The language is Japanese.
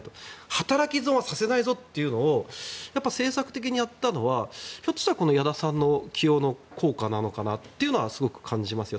働き損はさせないぞというのを政策的にやったのはひょっとしたら矢田さんの起用の効果なのかなというのはすごく感じますね。